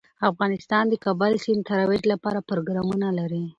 افغانستان د کابل سیند د ترویج لپاره پروګرامونه لري.